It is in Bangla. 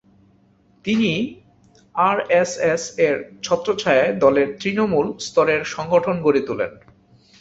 তিনিই আরএসএস-এর ছত্রছায়ায় দলের তৃণমূল স্তরের সংগঠন গড়ে তোলেন।